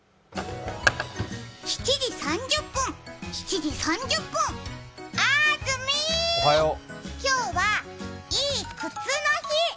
７時３０分、７時３０分、あーずみー、今日はいい靴の日。